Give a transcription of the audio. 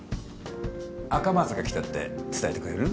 赤松が来たって伝えてくれる？